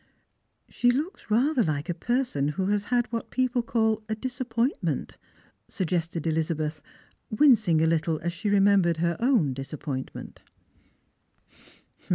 " She looks rather like a person who has had what peopb call ' a disappointment,' " suo gested Elizabeth, wincing a little as she remembered her own disappointment.